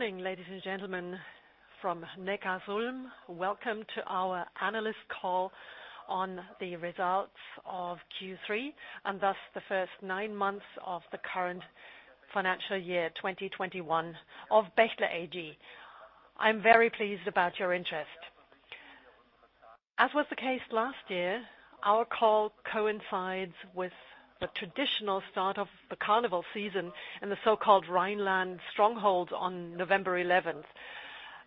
Good morning, ladies and gentlemen from Neckarsulm. Welcome to our analyst call on the results of Q3, and thus the first nine months of the current financial year, 2021 of Bechtle AG. I'm very pleased about your interest. As was the case last year, our call coincides with the traditional start of the carnival season in the so-called Rhineland Stronghold on November 11th.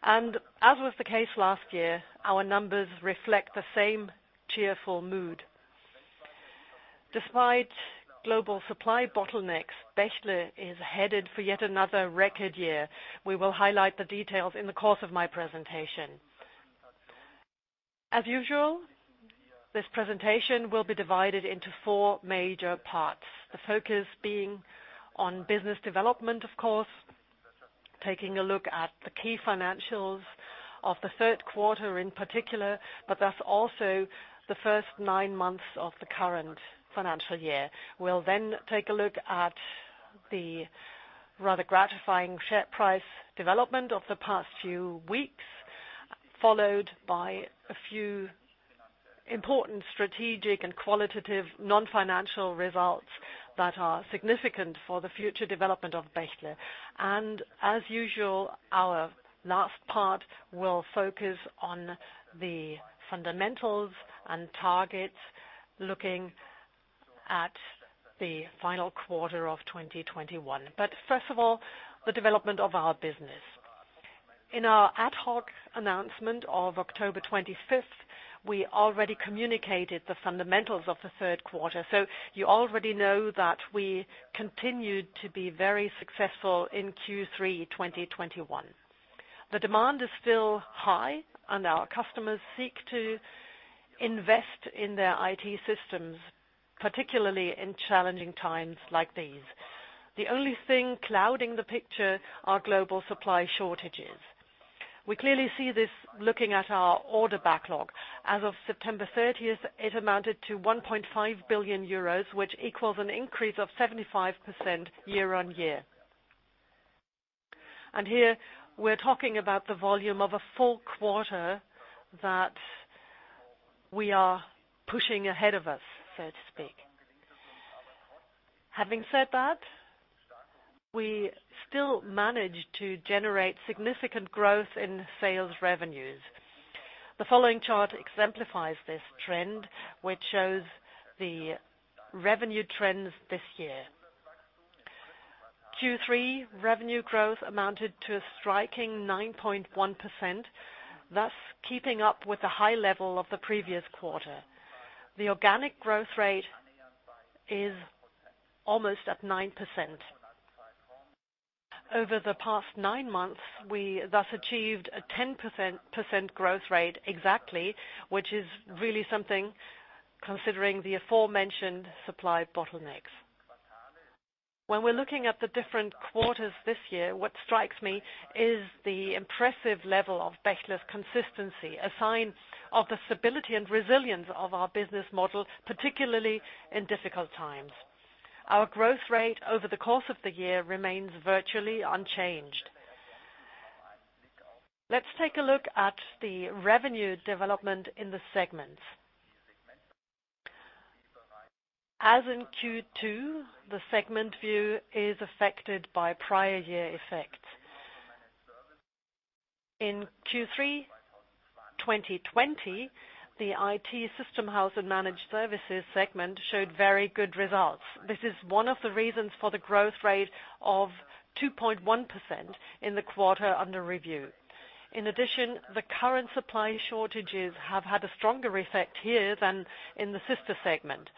As was the case last year, our numbers reflect the same cheerful mood. Despite global supply bottlenecks, Bechtle is headed for yet another record year. We will highlight the details in the course of my presentation. As usual, this presentation will be divided into four major parts. The focus being on business development, of course, taking a look at the key financials of the third quarter in particular, but that's also the first nine months of the current financial year. We'll then take a look at the rather gratifying share price development of the past few weeks, followed by a few important strategic and qualitative non-financial results that are significant for the future development of Bechtle. As usual, our last part will focus on the fundamentals and targets looking at the final quarter of 2021. First of all, the development of our business. In our ad hoc announcement of October 25th, we already communicated the fundamentals of the third quarter. You already know that we continued to be very successful in Q3 2021. The demand is still high and our customers seek to invest in their IT systems, particularly in challenging times like these. The only thing clouding the picture are global supply shortages. We clearly see this looking at our order backlog. As of September 30th, it amounted to 1.5 billion euros, which equals an increase of 75% year-on-year. Here we're talking about the volume of a full quarter that we are pushing ahead of us, so to speak. Having said that, we still managed to generate significant growth in sales revenues. The following chart exemplifies this trend, which shows the revenue trends this year. Q3 revenue growth amounted to a striking 9.1%, thus keeping up with the high level of the previous quarter. The organic growth rate is almost at 9%. Over the past 9 months, we thus achieved a 10% growth rate exactly, which is really something considering the aforementioned supply bottlenecks. When we're looking at the different quarters this year, what strikes me is the impressive level of Bechtle's consistency, a sign of the stability and resilience of our business model, particularly in difficult times. Our growth rate over the course of the year remains virtually unchanged. Let's take a look at the revenue development in the segment. As in Q2, the segment view is affected by prior year effects. In Q3 2020, the IT System House & Managed Services segment showed very good results. This is one of the reasons for the growth rate of 2.1% in the quarter under review. In addition, the current supply shortages have had a stronger effect here than in the sister segment.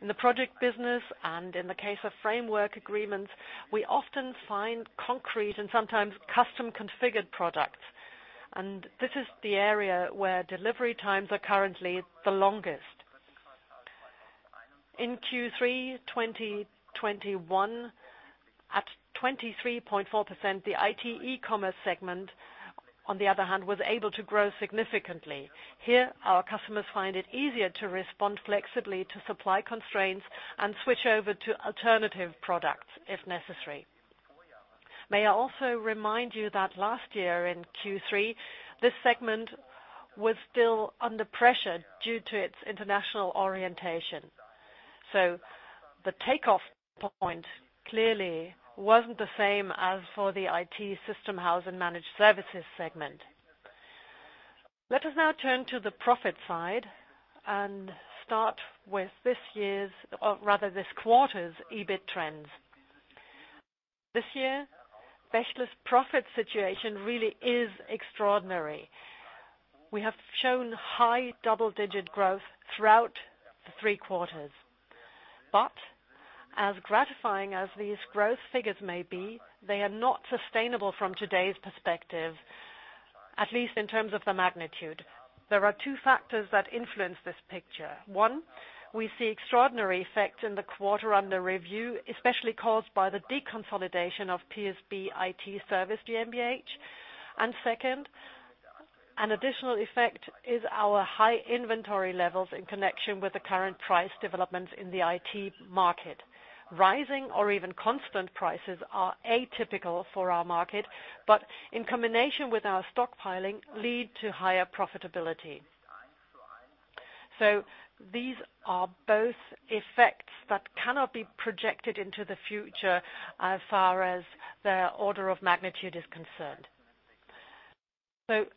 In the project business and in the case of framework agreements, we often find concrete and sometimes custom configured products. This is the area where delivery times are currently the longest. In Q3 2021, at 23.4%, the IT E-Commerce segment, on the other hand, was able to grow significantly. Here, our customers find it easier to respond flexibly to supply constraints and switch over to alternative products if necessary. May I also remind you that last year in Q3, this segment was still under pressure due to its international orientation. The takeoff point clearly wasn't the same as for the IT System House & Managed Services segment. Let us now turn to the profit side and start with this year's, or rather this quarter's EBIT trends. This year, Bechtle's profit situation really is extraordinary. We have shown high double-digit growth throughout the three quarters. As gratifying as these growth figures may be, they are not sustainable from today's perspective, at least in terms of the magnitude. There are two factors that influence this picture. One, we see extraordinary effects in the quarter under review, especially caused by the deconsolidation of PSB IT-Service. Second, an additional effect is our high inventory levels in connection with the current price developments in the IT market. Rising or even constant prices are atypical for our market, but in combination with our stockpiling, lead to higher profitability. These are both effects that cannot be projected into the future as far as their order of magnitude is concerned.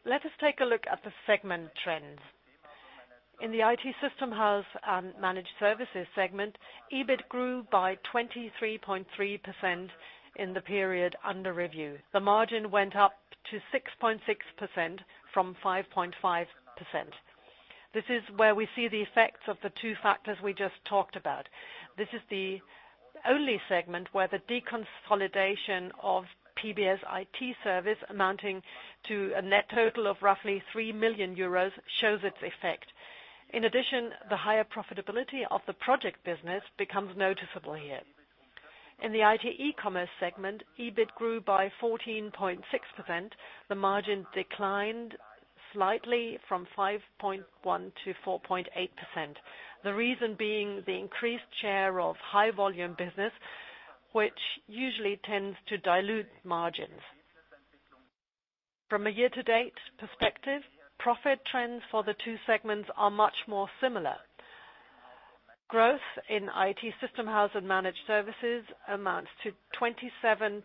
Let us take a look at the segment trends. In the IT System House & Managed Services segment, EBIT grew by 23.3% in the period under review. The margin went up to 6.6% from 5.5%. This is where we see the effects of the two factors we just talked about. This is the only segment where the deconsolidation of PSB IT-Service, amounting to a net total of roughly 3 million euros, shows its effect. In addition, the higher profitability of the project business becomes noticeable here. In the IT E-Commerce segment, EBIT grew by 14.6%. The margin declined slightly from 5.1% to 4.8%, the reason being the increased share of high volume business, which usually tends to dilute margins. From a year-to-date perspective, profit trends for the two segments are much more similar. Growth in IT System House & Managed Services amounts to 27.4%,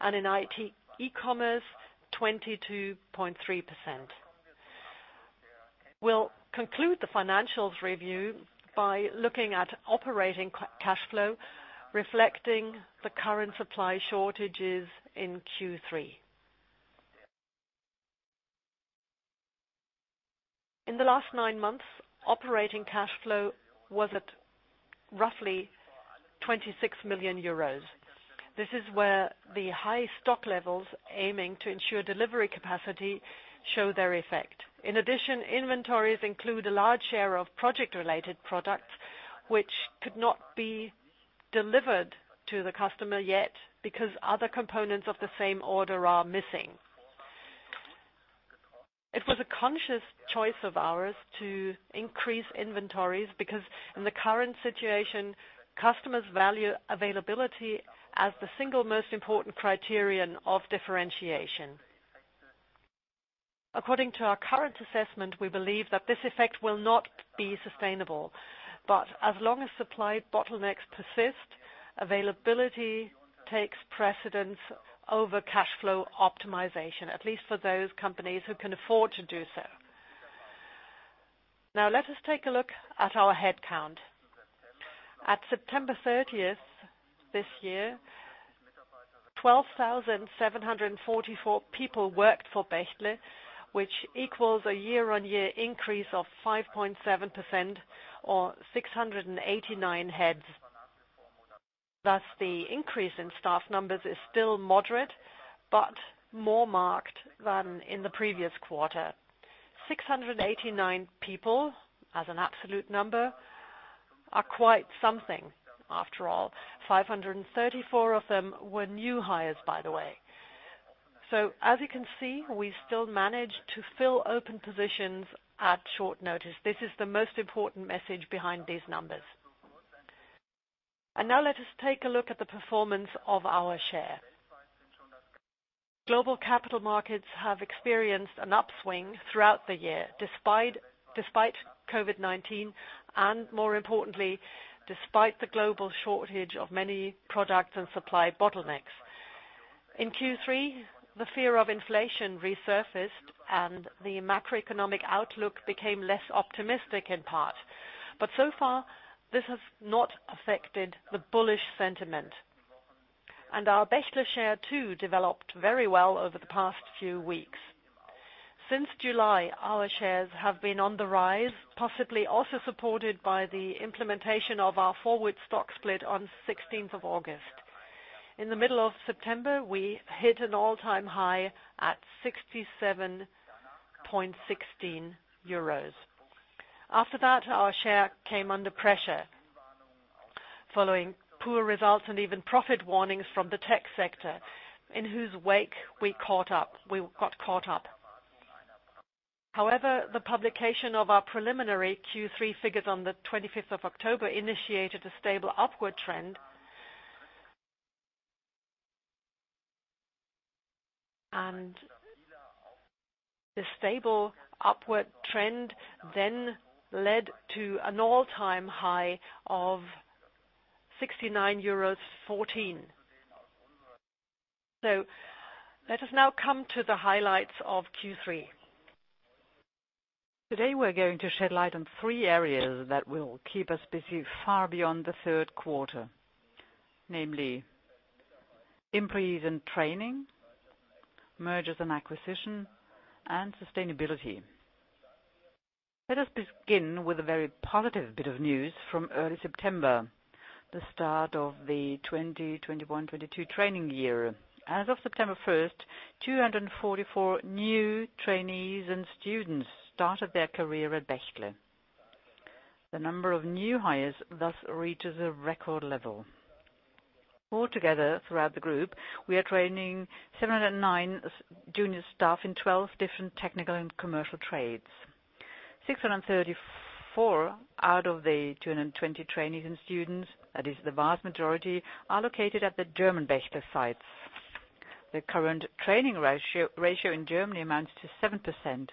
and in IT E-Commerce, 22.3%. We'll conclude the financials review by looking at operating cash flow, reflecting the current supply shortages in Q3. In the last nine months, operating cash flow was at roughly 26 million euros. This is where the high stock levels aiming to ensure delivery capacity show their effect. In addition, inventories include a large share of project-related products, which could not be delivered to the customer yet because other components of the same order are missing. It was a conscious choice of ours to increase inventories, because in the current situation, customers value availability as the single most important criterion of differentiation. According to our current assessment, we believe that this effect will not be sustainable. As long as supply bottlenecks persist, availability takes precedence over cash flow optimization, at least for those companies who can afford to do so. Now let us take a look at our headcount. At September 30th this year, 12,744 people worked for Bechtle, which equals a year-on-year increase of 5.7% or 689 heads. Thus the increase in staff numbers is still moderate, but more marked than in the previous quarter. Six hundred and eighty-nine people as an absolute number are quite something. After all, 534 of them were new hires, by the way. As you can see, we still managed to fill open positions at short notice. This is the most important message behind these numbers. Now let us take a look at the performance of our share. Global capital markets have experienced an upswing throughout the year, despite COVID-19 and more importantly, despite the global shortage of many products and supply bottlenecks. In Q3, the fear of inflation resurfaced and the macroeconomic outlook became less optimistic in part. So far, this has not affected the bullish sentiment. Our Bechtle share, too, developed very well over the past few weeks. Since July, our shares have been on the rise, possibly also supported by the implementation of our forward stock split on the 16th of August. In the middle of September, we hit an all-time high at 67.16 euros. After that, our share came under pressure following poor results and even profit warnings from the tech sector, in whose wake we got caught up. However, the publication of our preliminary Q3 figures on the 25th of October initiated a stable upward trend. The stable upward trend then led to an all-time high of 69.14 euros. Let us now come to the highlights of Q3. Today we're going to shed light on three areas that will keep us busy far beyond the third quarter. Namely, employees and training, mergers and acquisition, and sustainability. Let us begin with a very positive bit of news from early September, the start of the 2021-2022 training year. As of September 1, 244 new trainees and students started their career at Bechtle. The number of new hires thus reaches a record level. Altogether throughout the group, we are training 709 junior staff in 12 different technical and commercial trades. 634 out of the 220 trainees and students, that is the vast majority, are located at the German Bechtle sites. The current training ratio in Germany amounts to 7%.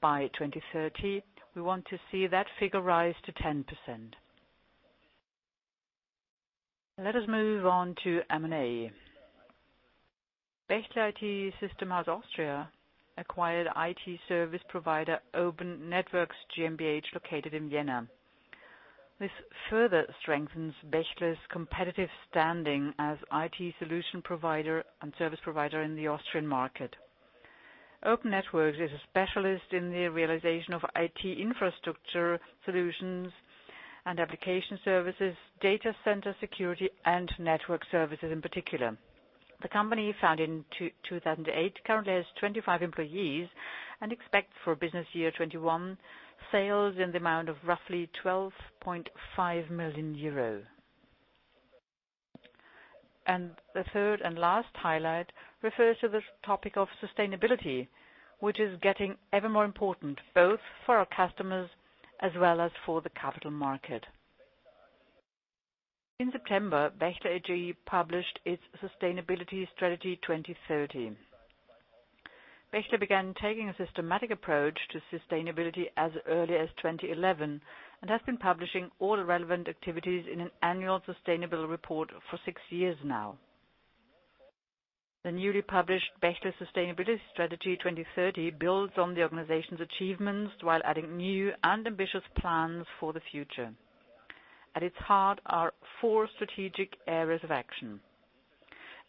By 2030, we want to see that figure rise to 10%. Let us move on to M&A. Bechtle IT-Systemhaus Österreich acquired IT service provider Open Networks GmbH, located in Vienna. This further strengthens Bechtle's competitive standing as IT solution provider and service provider in the Austrian market. Open Networks is a specialist in the realization of IT infrastructure solutions and application services, data center security, and network services, in particular. The company, founded in 2008, currently has 25 employees and expects for business year 2021 sales in the amount of roughly 12.5 million euros. The third and last highlight refers to the topic of sustainability, which is getting ever more important, both for our customers as well as for the capital market. In September, Bechtle AG published its Bechtle Sustainability Strategy 2030. Bechtle began taking a systematic approach to sustainability as early as 2011 and has been publishing all relevant activities in an annual sustainability report for six years now. The newly published Bechtle Sustainability Strategy 2030 builds on the organization's achievements while adding new and ambitious plans for the future. At its heart are four strategic areas of action,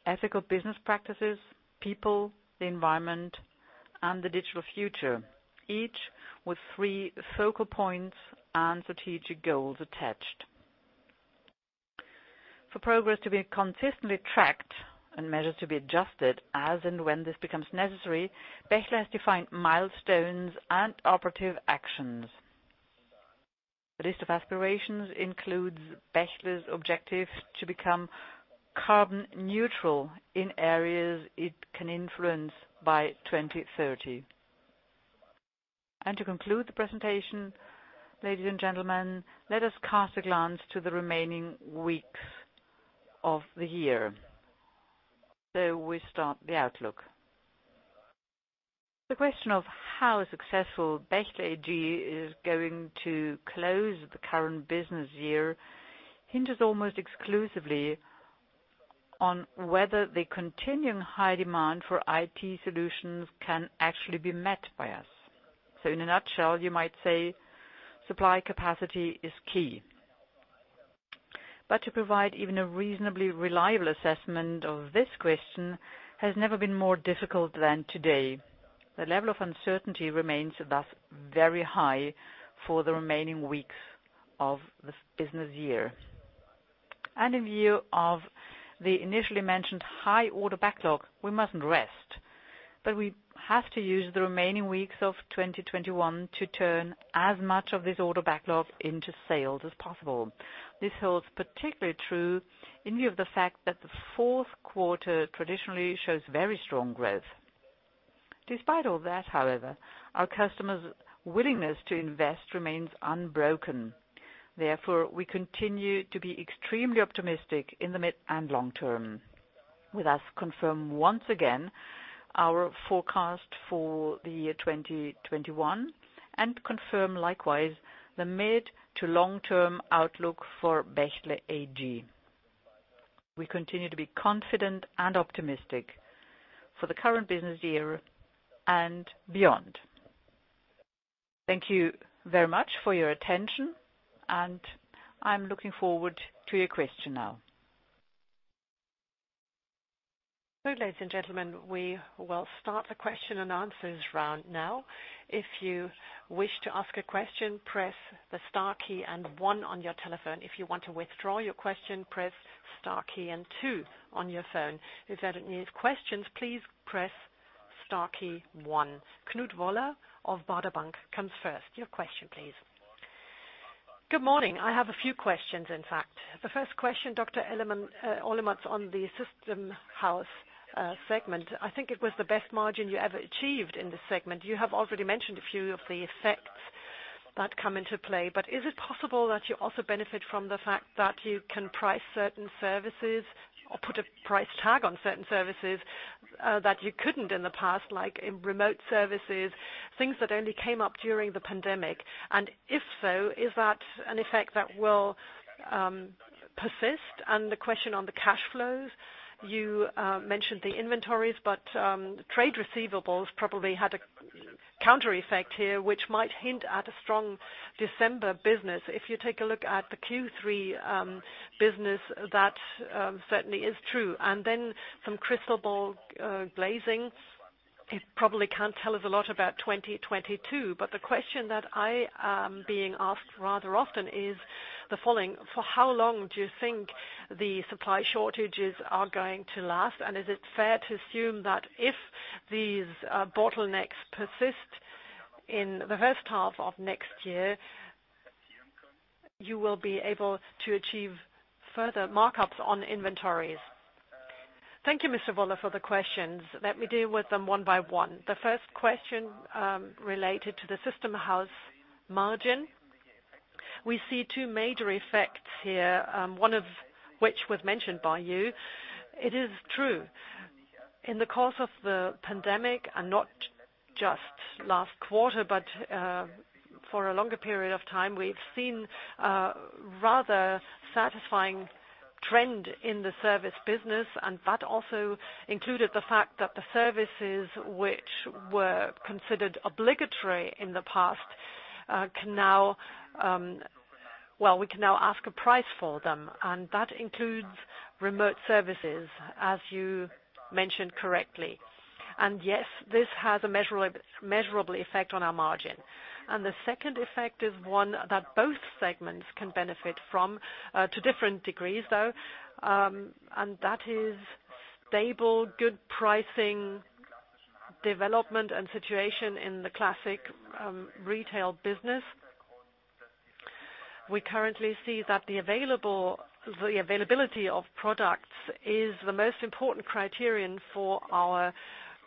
ethical business practices, people, the environment, and the digital future, each with three focal points and strategic goals attached. For progress to be consistently tracked and measures to be adjusted as and when this becomes necessary, Bechtle has defined milestones and operative actions. The list of aspirations includes Bechtle's objective to become carbon neutral in areas it can influence by 2030. To conclude the presentation, ladies and gentlemen, let us cast a glance to the remaining weeks of the year. We start the outlook. The question of how successful Bechtle AG is going to close the current business year hinges almost exclusively on whether the continuing high demand for IT solutions can actually be met by us. In a nutshell, you might say supply capacity is key. To provide even a reasonably reliable assessment of this question has never been more difficult than today. The level of uncertainty remains, thus, very high for the remaining weeks of the fiscal business year. In view of the initially mentioned high order backlog, we mustn't rest, but we have to use the remaining weeks of 2021 to turn as much of this order backlog into sales as possible. This holds particularly true in view of the fact that the fourth quarter traditionally shows very strong growth. Despite all that, however, our customers' willingness to invest remains unbroken. Therefore, we continue to be extremely optimistic in the mid and long term. We thus confirm once again our forecast for the year 2021 and confirm likewise the mid to long-term outlook for Bechtle AG. We continue to be confident and optimistic for the current business year and beyond. Thank you very much for your attention, and I'm looking forward to your question now. Ladies and gentlemen, we will start the question and answers round now. Knut Woller of Baader Bank comes first. Your question, please. Good morning. I have a few questions, in fact. The first question, Thomas Olemotz, on the System House segment. I think it was the best margin you ever achieved in this segment. You have already mentioned a few of the effects that come into play, but is it possible that you also benefit from the fact that you can price certain services or put a price tag on certain services, that you couldn't in the past, like in remote services, things that only came up during the pandemic? And if so, is that an effect that will persist? And the question on the cash flows, you mentioned the inventories, but trade receivables probably had a counter effect here, which might hint at a strong December business. If you take a look at the Q3 business, that certainly is true. Then some crystal ball gazing probably can't tell us a lot about 2022. The question that I am being asked rather often is the following: for how long do you think the supply shortages are going to last? Is it fair to assume that if these bottlenecks persist in the first half of next year, you will be able to achieve further markups on inventories. Thank you, Mr. Woller, for the questions. Let me deal with them one by one. The first question related to the system house margin. We see two major effects here, one of which was mentioned by you. It is true. In the course of the pandemic, not just last quarter, but for a longer period of time, we've seen a rather satisfying trend in the service business, and that also included the fact that the services which were considered obligatory in the past can now, well, we can now ask a price for them, and that includes remote services, as you mentioned correctly. Yes, this has a measurable effect on our margin. The second effect is one that both segments can benefit from to different degrees, though, and that is stable, good pricing, development and situation in the classic retail business. We currently see that the availability of products is the most important criterion for our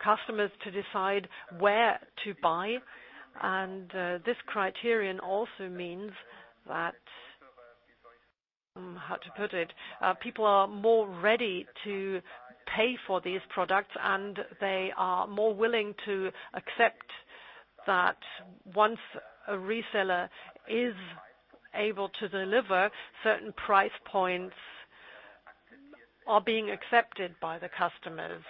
customers to decide where to buy. This criterion also means that, how to put it? People are more ready to pay for these products, and they are more willing to accept that once a reseller is able to deliver certain price points are being accepted by the customers.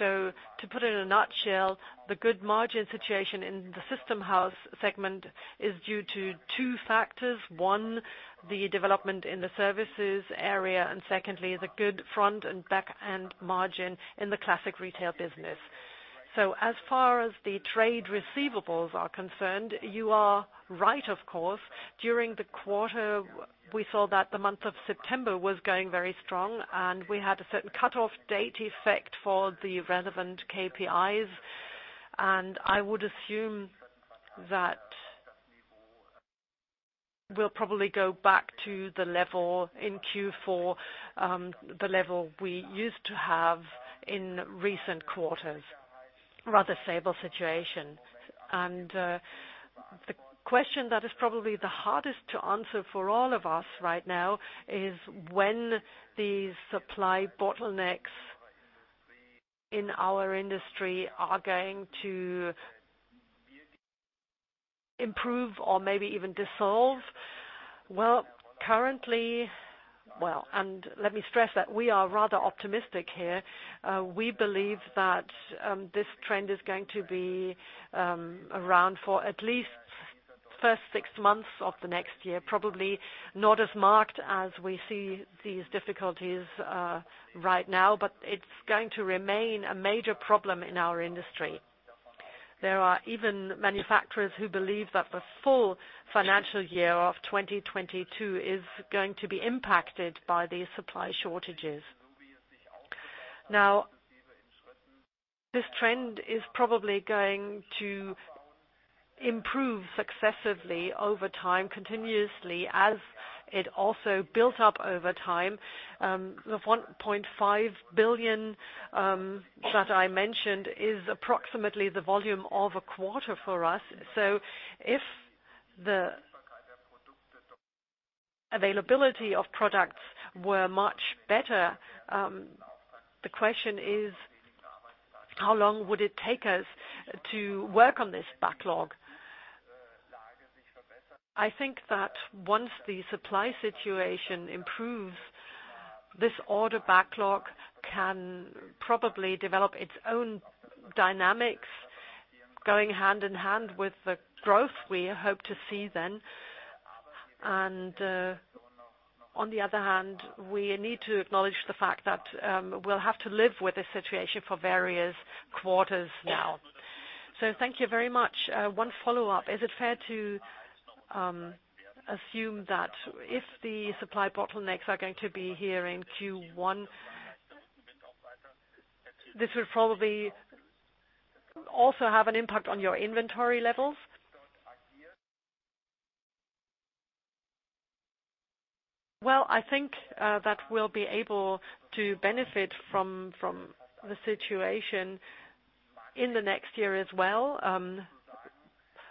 To put it in a nutshell, the good margin situation in the system house segment is due to two factors. One, the development in the services area, and secondly, the good front and back end margin in the classic retail business. As far as the trade receivables are concerned, you are right, of course. During the quarter, we saw that the month of September was going very strong, and we had a certain cutoff date effect for the relevant KPIs. I would assume that we'll probably go back to the level in Q4, the level we used to have in recent quarters, rather stable situation. The question that is probably the hardest to answer for all of us right now is when these supply bottlenecks in our industry are going to improve or maybe even dissolve. Well, let me stress that we are rather optimistic here. We believe that this trend is going to be around for at least first six months of the next year, probably not as marked as we see these difficulties right now, but it's going to remain a major problem in our industry. There are even manufacturers who believe that the full financial year of 2022 is going to be impacted by these supply shortages. Now, this trend is probably going to improve successively over time, continuously, as it also built up over time. The 1.5 billion that I mentioned is approximately the volume of a quarter for us. If the availability of products were much better, the question is, how long would it take us to work on this backlog? I think that once the supply situation improves, this order backlog can probably develop its own dynamics going hand-in-hand with the growth we hope to see then. On the other hand, we need to acknowledge the fact that we'll have to live with this situation for various quarters now. Thank you very much. One follow-up. Is it fair to assume that if the supply bottlenecks are going to be here in Q1, this will probably also have an impact on your inventory levels? Well, I think that we'll be able to benefit from the situation in the next year as well.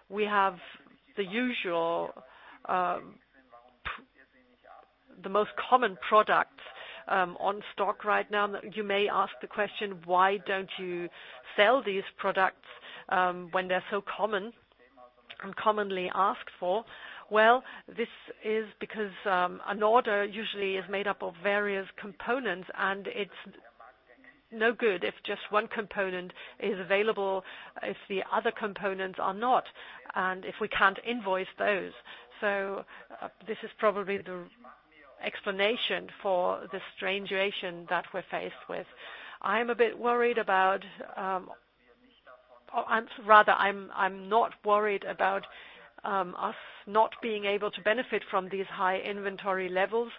We have the usual, the most common product in stock right now. You may ask the question, why don't you sell these products when they're so common and commonly asked for? Well, this is because an order usually is made up of various components, and it's no good if just one component is available, if the other components are not, and if we can't invoice those. This is probably the explanation for the strange situation that we're faced with. I'm a bit worried about or rather, I'm not worried about us not being able to benefit from these high inventory levels.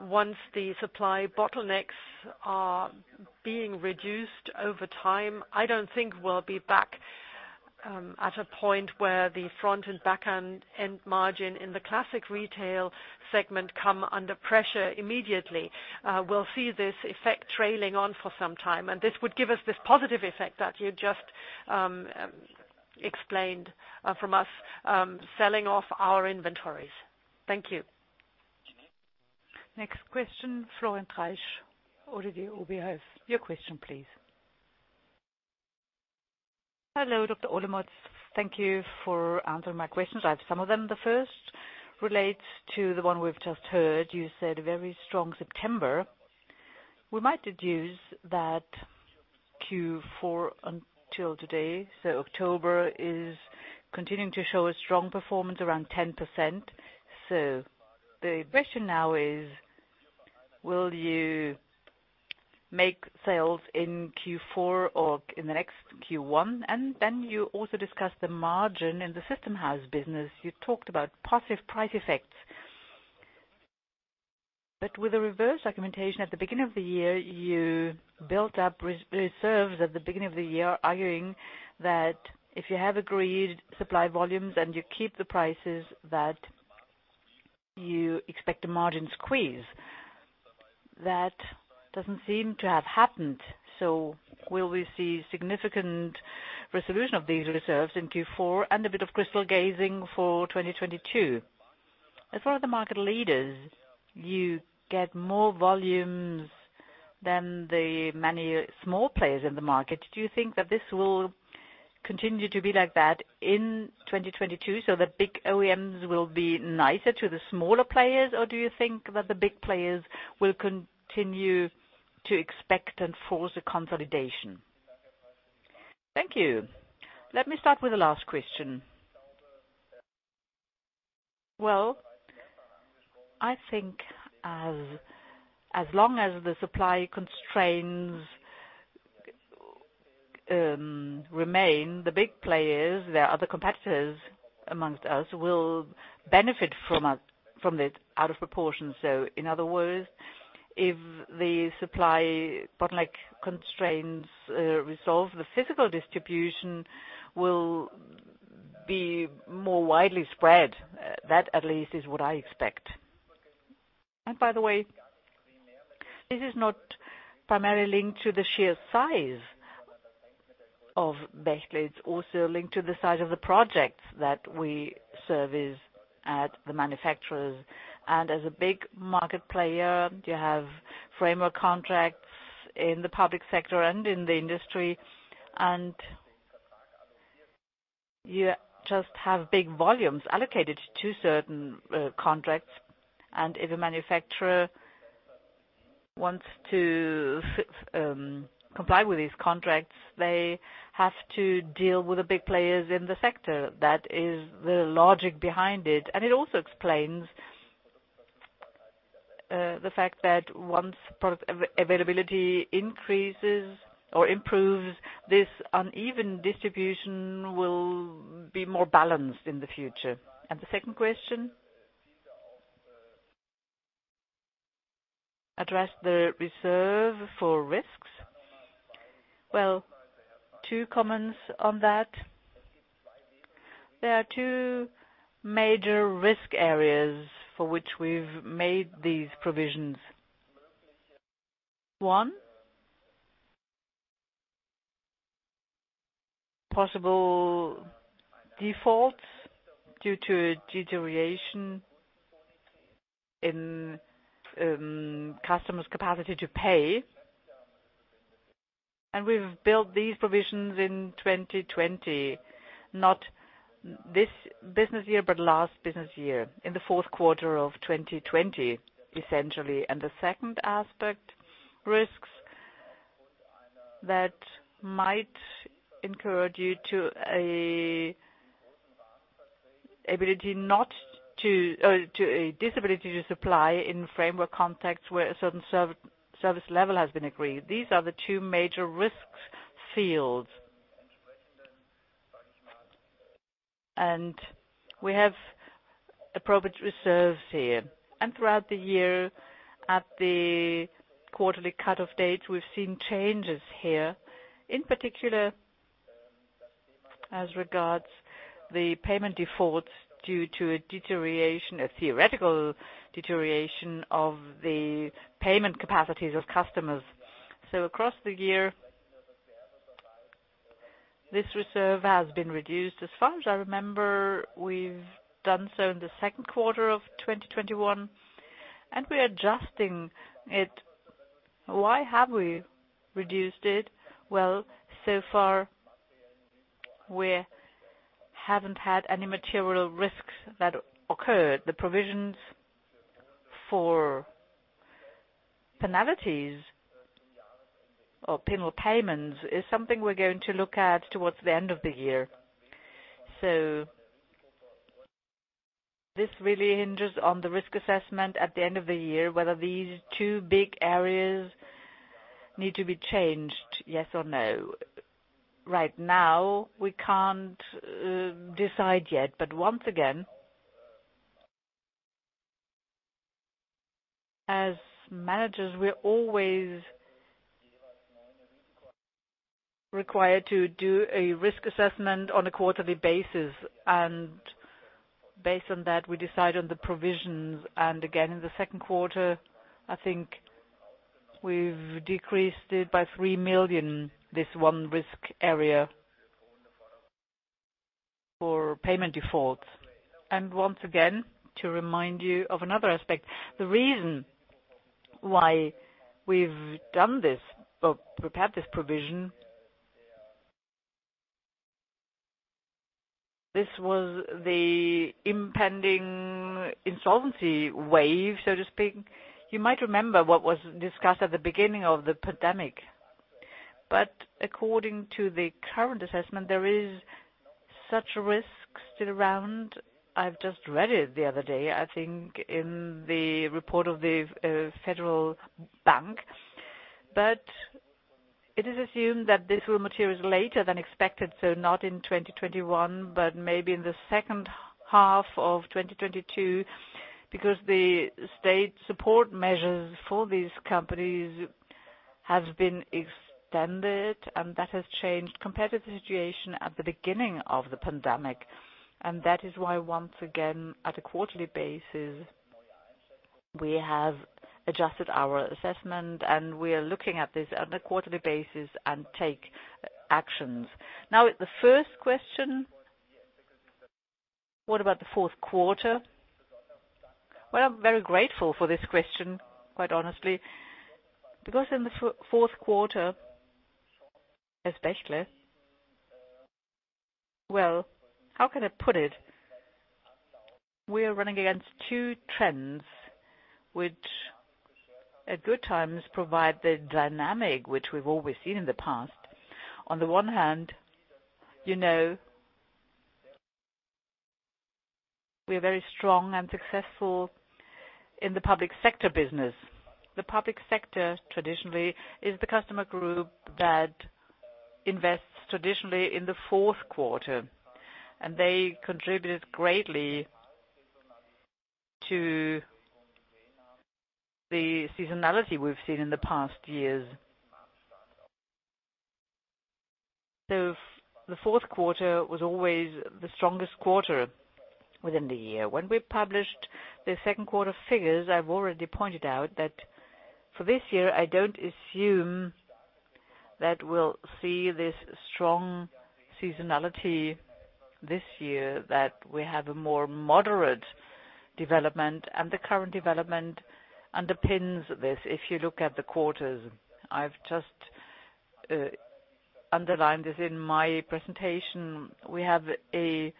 Once the supply bottlenecks are being reduced over time, I don't think we'll be back at a point where the front and back end margin in the classic retail segment come under pressure immediately. We'll see this effect trailing on for some time, and this would give us this positive effect that you just explained from us selling off our inventories. Thank you. Next question, Florence Reiche, ODDO BHF. Your question, please. Hello, Thomas Olemotz. Thank you for answering my questions. I have some of them. The first relates to the one we've just heard. You said very strong September. We might deduce that Q4 until today, so October, is continuing to show a strong performance around 10%. The question now is, will you make sales in Q4 or in the next Q1? You also discussed the margin in the system house business. You talked about positive price effects. With a reverse argumentation, at the beginning of the year, you built up reserves, arguing that if you have agreed supply volumes and you keep the prices, that you expect a margin squeeze. That doesn't seem to have happened. Will we see significant resolution of these reserves in Q4 and a bit of crystal gazing for 2022? As one of the market leaders, you get more volumes than the many small players in the market. Do you think that this will continue to be like that in 2022, so the big OEMs will be nicer to the smaller players? Or do you think that the big players will continue to expect and force a consolidation? Thank you. Let me start with the last question. Well, I think as long as the supply constraints remain, the big players, the other competitors amongst us, will benefit from it out of proportion. In other words, if the supply bottleneck constraints resolve, the physical distribution will be more widely spread. That, at least, is what I expect. By the way, this is not primarily linked to the sheer size of Bechtle. It's also linked to the size of the projects that we service at the manufacturers. As a big market player, you have framework contracts in the public sector and in the industry. You just have big volumes allocated to certain contracts. If a manufacturer wants to comply with these contracts, they have to deal with the big players in the sector. That is the logic behind it. It also explains the fact that once product availability increases or improves, this uneven distribution will be more balanced in the future. The second question? Addressed the reserve for risks. Well, two comments on that. There are two major risk areas for which we've made these provisions. One, possible defaults due to deterioration in customers' capacity to pay. We've built these provisions in 2020, not this business year, but last business year, in the fourth quarter of 2020, essentially. The second aspect, risks that might lead to an inability to supply in a framework context where a certain service level has been agreed. These are the two major risk fields. We have appropriate reserves here. Throughout the year, at the quarterly cut-off date, we've seen changes here, in particular as regards the payment defaults due to a deterioration, a theoretical deterioration of the payment capacities of customers. Across the year, this reserve has been reduced. As far as I remember, we've done so in the second quarter of 2021, and we're adjusting it. Why have we reduced it? Well, so far, we haven't had any material risks that occurred. The provisions for penalties or penal payments is something we're going to look at toward the end of the year. This really hinges on the risk assessment at the end of the year, whether these two big areas need to be changed, yes or no? Right now, we can't decide yet. Once again, as managers, we are always required to do a risk assessment on a quarterly basis, and based on that, we decide on the provisions. Again, in the second quarter, I think we've decreased it by 3 million, this one risk area for payment defaults. Once again, to remind you of another aspect, the reason why we've done this or prepared this provision, this was the impending insolvency wave, so to speak. You might remember what was discussed at the beginning of the pandemic, but according to the current assessment, there is such a risk still around. I've just read it the other day, I think, in the report of the Bundesbank. It is assumed that this will materialize later than expected, so not in 2021, but maybe in the second half of 2022, because the state support measures for these companies has been extended, and that has changed compared to the situation at the beginning of the pandemic. That is why, once again, at a quarterly basis, we have adjusted our assessment, and we are looking at this on a quarterly basis and take actions. Now, the first question, what about the fourth quarter? Well, I'm very grateful for this question, quite honestly, because in the fourth quarter, especially, well, how can I put it? We're running against two trends which at good times provide the dynamic which we've always seen in the past. On the one hand, you know we're very strong and successful in the public sector business. The public sector traditionally is the customer group that invests traditionally in the fourth quarter, and they contributed greatly to the seasonality we've seen in the past years. The fourth quarter was always the strongest quarter within the year. When we published the second quarter figures, I've already pointed out that for this year, I don't assume that we'll see this strong seasonality this year, that we have a more moderate development, and the current development underpins this. If you look at the quarters, I've just underlined this in my presentation. We have a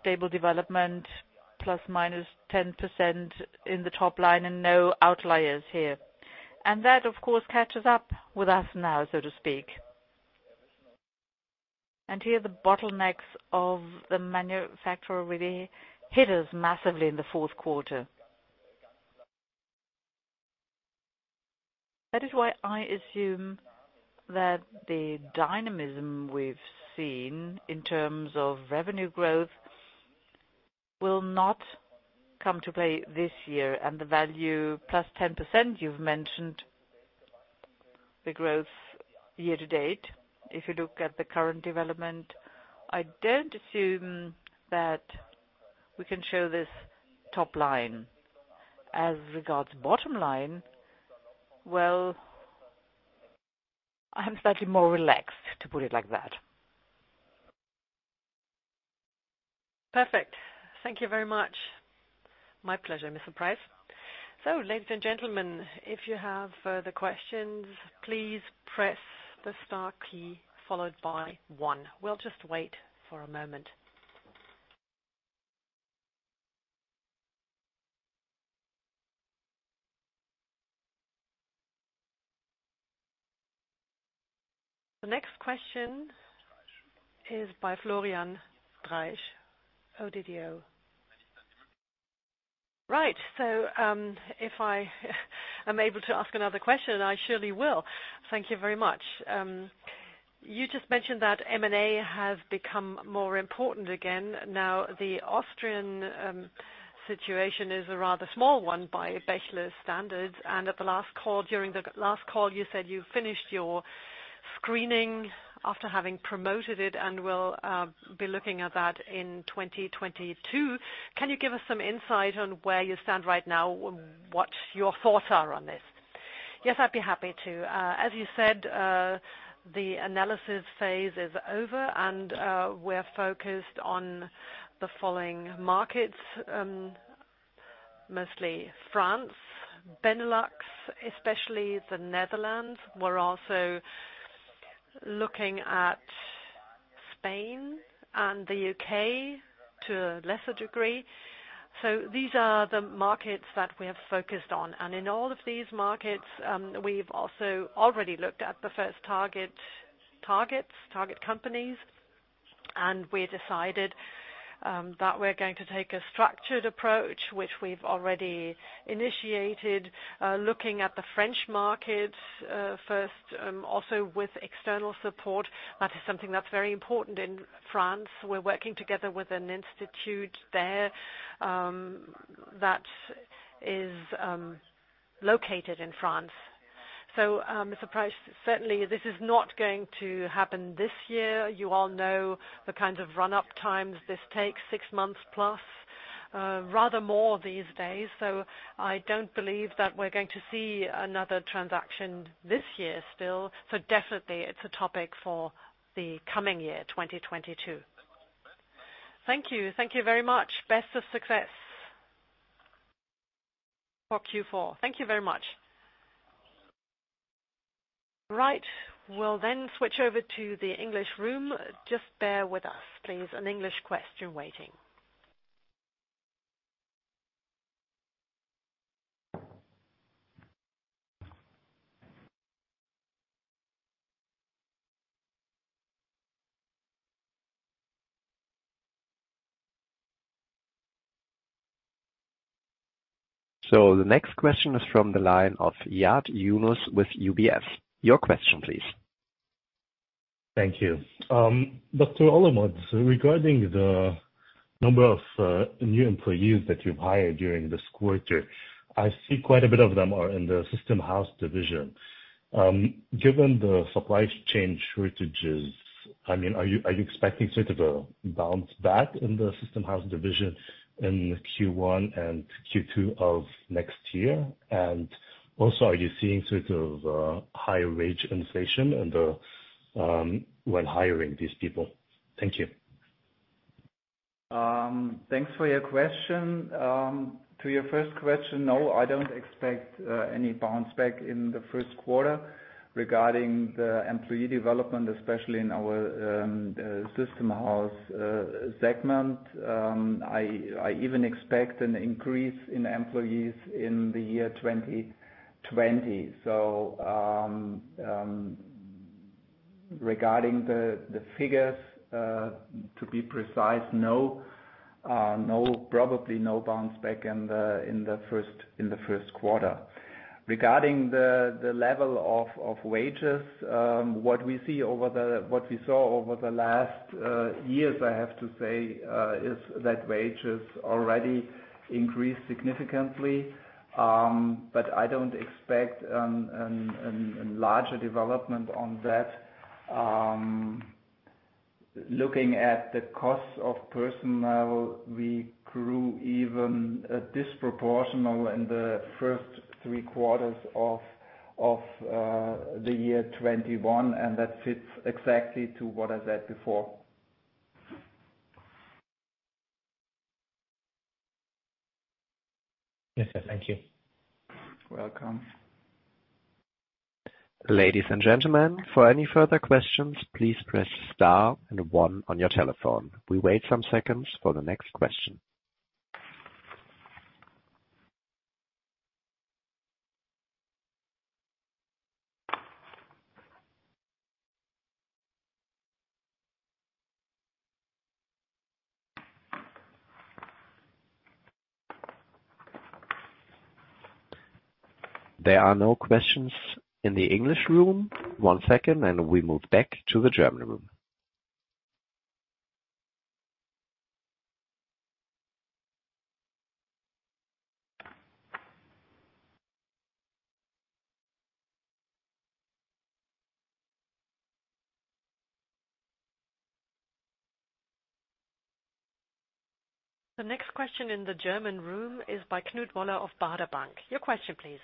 stable development, plus or minus 10% in the top line and no outliers here. That, of course, catches up with us now, so to speak. Here, the bottlenecks of the manufacturer really hit us massively in the fourth quarter. That is why I assume that the dynamism we've seen in terms of revenue growth will not come to play this year. The value plus 10% you've mentioned, the growth year to date, if you look at the current development, I don't assume that we can show this top line. As regards bottom line, well, I am slightly more relaxed, to put it like that. Perfect. Thank you very much. My pleasure, Ms. Reiche. Right. If I am able to ask another question, I surely will. Thank you very much. You just mentioned that M&A has become more important again. Now, the Austrian situation is a rather small one by Bechtle's standards, and during the last call, you said you finished your screening after having promoted it and will be looking at that in 2022. Can you give us some insight on where you stand right now, what your thoughts are on this? Yes, I'd be happy to. As you said, the analysis phase is over, and we're focused on the following markets, mostly France, Benelux, especially the Netherlands. We're also looking at Spain and the U.K. to a lesser degree. These are the markets that we have focused on. In all of these markets, we've also already looked at the first target companies. We decided that we're going to take a structured approach, which we've already initiated, looking at the French markets first, also with external support. That is something that's very important in France. We're working together with an institute there that is located in France. Ms. Reiche, certainly this is not going to happen this year. You all know the kinds of run-up times this takes, six months plus, rather more these days. I don't believe that we're going to see another transaction this year still. Definitely it's a topic for the coming year, 2022. Thank you. Thank you very much. Best of success for Q4. Thank you very much. Right. We'll then switch over to the English room. Just bear with us, please, an English question waiting. The next question is from the line of Yad Younan with UBS. Your question, please. Thank you. Thomas Olemotz, regarding the number of new employees that you've hired during this quarter, I see quite a bit of them are in the system house division. Given the supply chain shortages, I mean, are you expecting sort of a bounce back in the system house division in Q1 and Q2 of next year? And also, are you seeing sort of higher wage inflation in the when hiring these people? Thank you. Thanks for your question. To your first question, no, I don't expect any bounce back in the first quarter regarding the employee development, especially in our system house segment. I even expect an increase in employees in the year 2020. Regarding the figures, to be precise, no, probably no bounce back in the first quarter. Regarding the level of wages, what we saw over the last years, I have to say, is that wages already increased significantly, but I don't expect a larger development on that. Looking at the costs of personnel, we grew even disproportional in the first three quarters of the year 2021, and that fits exactly to what I said before. Yes, sir. Thank you. You're welcome. Ladies and gentlemen, for any further questions, please press star and one on your telephone. We wait some seconds for the next question. There are no questions in the English room. One second, we move back to the German room. The next question in the German room is by Knut Woller of Baader Bank. Your question, please.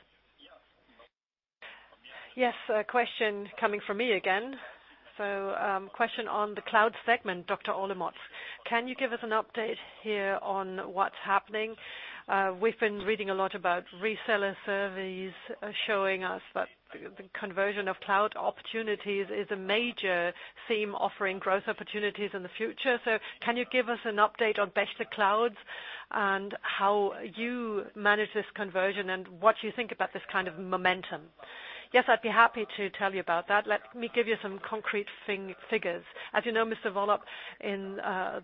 Yes, a question coming from me again. Question on the cloud segment, Thomas Olemotz. Can you give us an update here on what's happening? We've been reading a lot about reseller surveys showing us that the conversion of cloud opportunities is a major theme offering growth opportunities in the future. Can you give us an update on Bechtle Clouds and how you manage this conversion and what you think about this kind of momentum? Yes, I'd be happy to tell you about that. Let me give you some concrete figures. As you know, Mr. Woller, in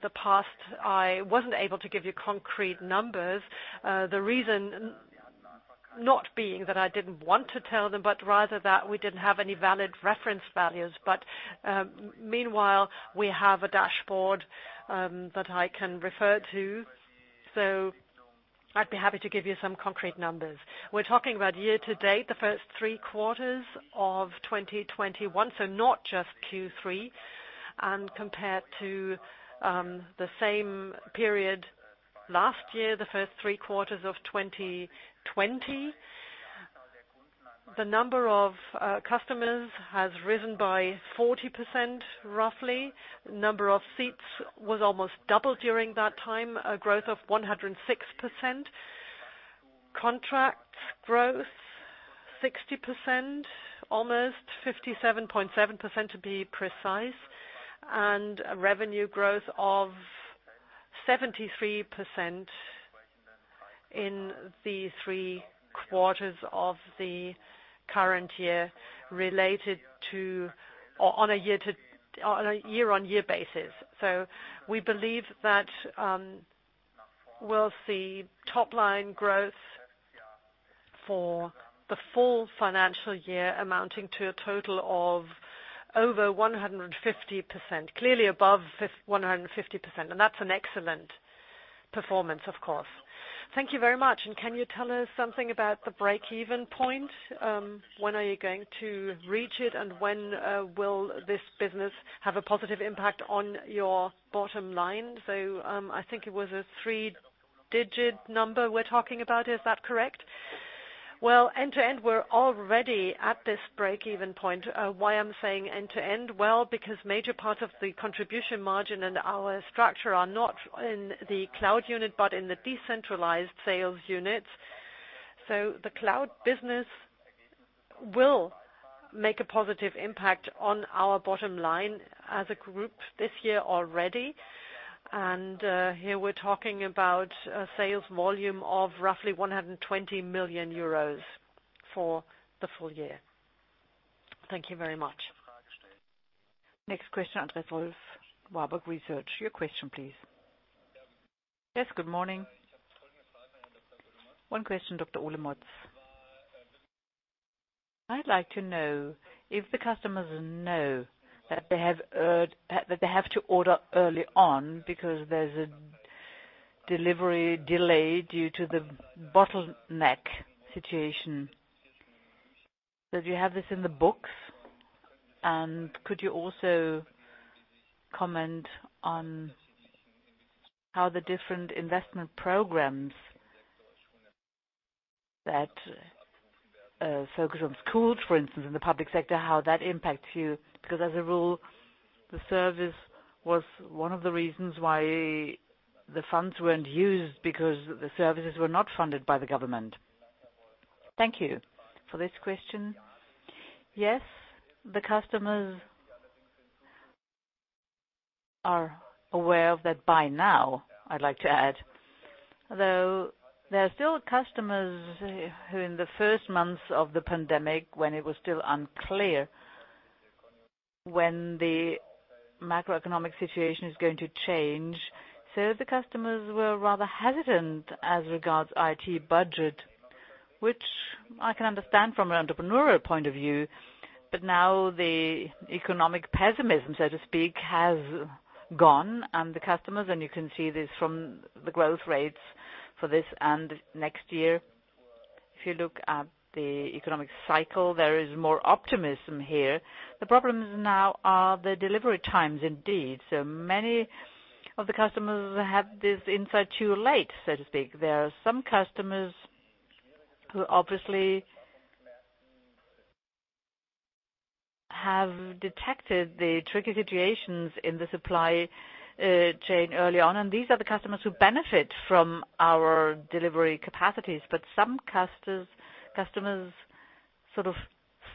the past, I wasn't able to give you concrete numbers. The reason not being that I didn't want to tell them, but rather that we didn't have any valid reference values. Meanwhile, we have a dashboard that I can refer to, so I'd be happy to give you some concrete numbers. We're talking about year to date, the first three quarters of 2021, so not just Q3, and compared to the same period last year, the first three quarters of 2020. The number of customers has risen by 40%, roughly. Number of seats was almost double during that time, a growth of 106%. Contract growth, 60%, almost 57.7% to be precise, and a revenue growth of 73%. In the three quarters of the current year on a year-on-year basis. We believe that we'll see top line growth for the full financial year amounting to a total of over 150%. Clearly above 150%, and that's an excellent performance, of course. Thank you very much. Can you tell us something about the break-even point? When are you going to reach it, and when will this business have a positive impact on your bottom line? I think it was a three-digit number we're talking about. Is that correct? Well, end to end, we're already at this break-even point. Why I'm saying end to end? Well, because major parts of the contribution margin and our structure are not in the cloud unit, but in the decentralized sales units. The cloud business will make a positive impact on our bottom line as a group this year already. Here, we're talking about a sales volume of roughly 120 million euros for the full year. Thank you very much. Next question, Andreas Wolf, Warburg Research. Your question, please. Yes, good morning. One question, Thomas Olemotz. I'd like to know if the customers know that they have that they have to order early on because there's a delivery delay due to the bottleneck situation. Did you have this in the books? Could you also comment on how the different investment programs that focus on schools, for instance, in the public sector, how that impacts you? Because as a rule, the service was one of the reasons why the funds weren't used because the services were not funded by the government. Thank you for this question. Yes, the customers are aware of that by now, I'd like to add. Though there are still customers who in the first months of the pandemic, when it was still unclear when the macroeconomic situation is going to change. The customers were rather hesitant as regards IT budget, which I can understand from an entrepreneurial point of view. Now the economic pessimism, so to speak, has gone and the customers, and you can see this from the growth rates for this and next year. If you look at the economic cycle, there is more optimism here. The problems now are the delivery times indeed. Many of the customers have this insight too late, so to speak. There are some customers who obviously have detected the tricky situations in the supply chain early on, and these are the customers who benefit from our delivery capacities. Some customers sort of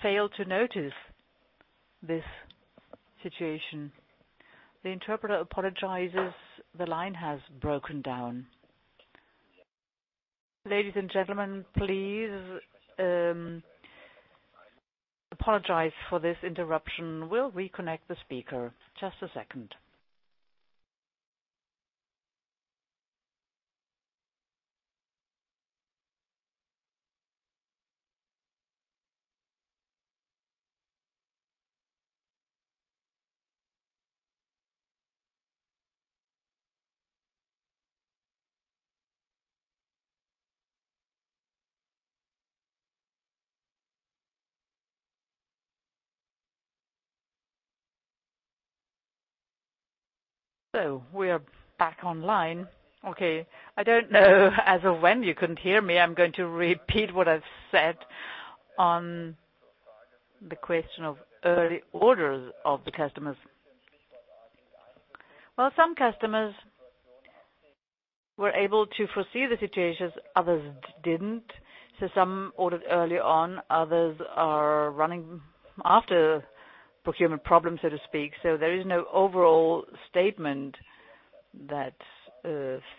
failed to notice this situation. The interpreter apologizes. The line has broken down. Ladies and gentlemen, please, apologize for this interruption. We'll reconnect the speaker. Just a second. We are back online. Okay. I don't know as of when you couldn't hear me. I'm going to repeat what I've said on the question of early orders of the customers. Some customers were able to foresee the situations, others didn't. Some ordered early on, others are running after procurement problems, so to speak. There is no overall statement that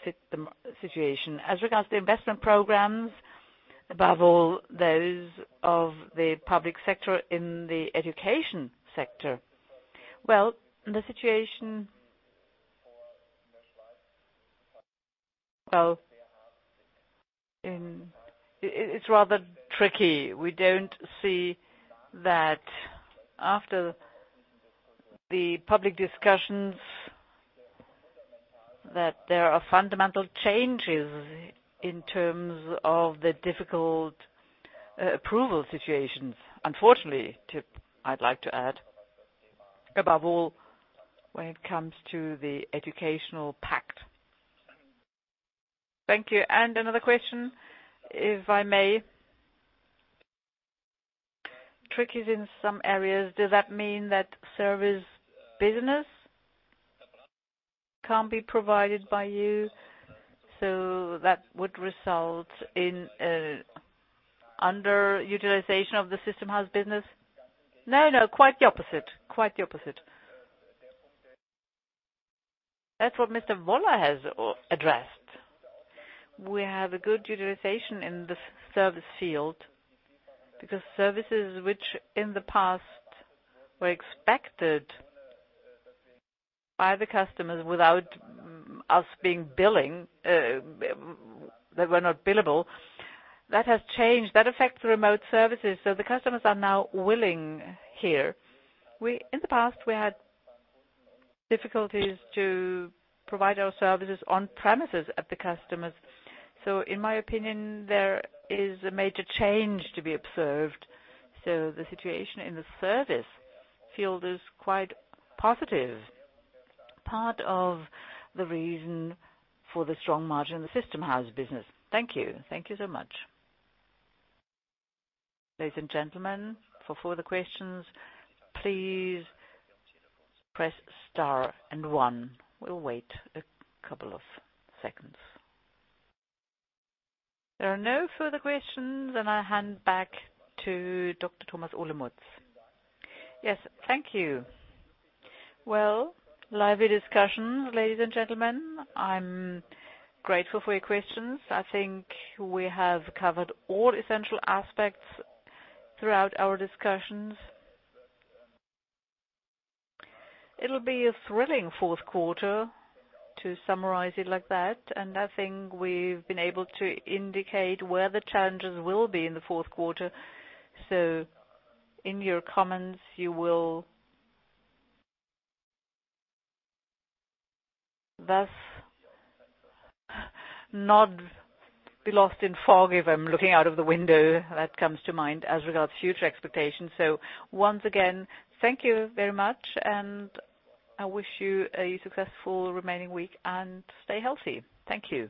fit the situation. As regards to investment programs, above all, those of the public sector in the education sector. The situation, it's rather tricky. We don't see that after the public discussions that there are fundamental changes in terms of the difficult approval situations. Unfortunately, too, I'd like to add, above all, when it comes to the DigitalPakt Schule. Thank you. Another question, if I may. tricky in some areas, does that mean that service business can't be provided by you? That would result in underutilization of the System House business? No, quite the opposite. That's what Mr. Woller has addressed. We have a good utilization in the service field because services which in the past were expected by the customers without us billing, they were not billable. That has changed. That affects remote services, so the customers are now willing here. In the past, we had difficulties to provide our services on premises of the customers. In my opinion, there is a major change to be observed. The situation in the service field is quite positive, part of the reason for the strong margin in the System House business. Thank you so much. Yes, thank you. Well, lively discussion, ladies and gentlemen. I'm grateful for your questions. I think we have covered all essential aspects throughout our discussions. It'll be a thrilling fourth quarter to summarize it like that, and I think we've been able to indicate where the challenges will be in the fourth quarter. In your comments, you will thus not be lost in fog if I'm looking out of the window. That comes to mind as regards future expectations. Once again, thank you very much, and I wish you a successful remaining week and stay healthy. Thank you.